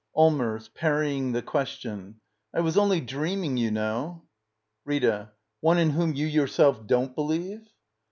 Allmers. [Parrying the question.] I was only dreaming, you know — Rtta. One in whom you yourself don't believe?